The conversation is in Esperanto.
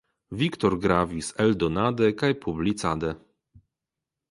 Victor gravis eldonade kaj publicade.